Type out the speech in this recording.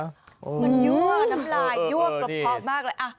เหมือนยั่วน้ำลายยั่วกรอบมากเลย